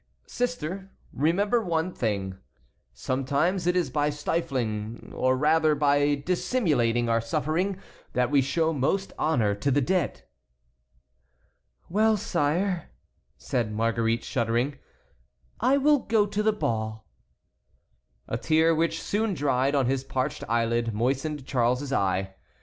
"Sister, remember one thing: sometimes it is by stifling or rather by dissimulating our suffering that we show most honor to the dead." "Well, sire," said Marguerite, shuddering, "I will go to the ball." A tear, which soon dried on his parched eyelid, moistened Charles's eye.